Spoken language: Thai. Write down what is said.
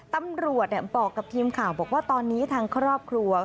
ตำรวจบอกกับทีมข่าวบอกว่าตอนนี้ทางครอบครัว